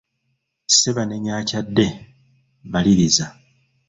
Ssebanenya akyadde, maliriza.